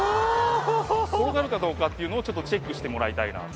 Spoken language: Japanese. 転がるかどうかっていうのをちょっとチェックしてもらいたいな。